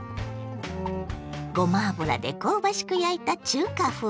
ごま油で香ばしく焼いた中華風ソテー。